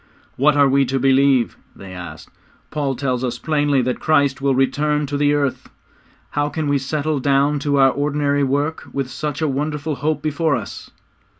'What are we to believe?' they had asked. 'Paul tells us plainly that Christ will return to the earth. How can we settle down to our ordinary work with such a wonderful hope before us?'